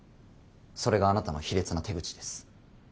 それがあなたの卑劣な手口です。